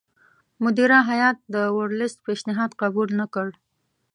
مدیره هیات د ورلسټ پېشنهاد قبول نه کړ.